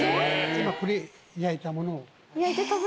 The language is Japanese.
今これ焼いたものを。